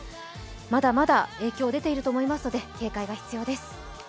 まだまだ影響出ていると思いますので警戒が必要です。